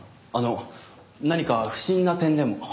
あの何か不審な点でも？